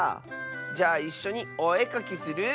じゃあいっしょにおえかきする？